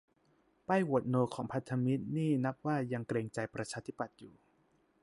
ป้ายโหวตโนของพันธมิตรนี่นับว่ายังเกรงใจประชาธิปัตย์อยู่